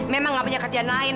memang gak punya kerjaan lain